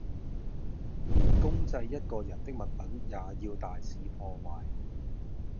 連公祭一個人的物品也要大肆破壞